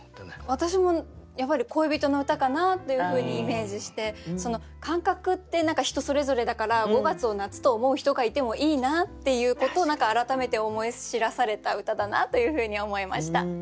私もやっぱり恋人の歌かなというふうにイメージして感覚って人それぞれだから５月を夏と思う人がいてもいいなっていうことを改めて思い知らされた歌だなというふうに思いました。